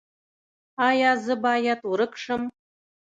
ایا زه باید ورک شم؟